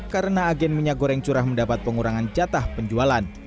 karena agen minyak goreng curah mendapat pengurangan jatah penjualan